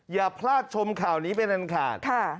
อย่าพลาดชมข่าวนี้เป็นอันขาด